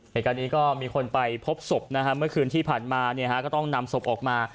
เหตุการณ์นี้ก็มีคนไปพบศพนะฮะเมื่อคืนที่ผ่านมาก็ต้องนำศพออกมา